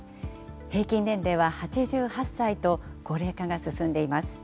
平均年齢は８８歳と、高齢化が進んでいます。